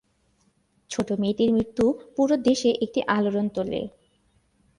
ছোট মেয়েটির মৃত্যু পুরো দেশে একটা আলোড়ন তোলে।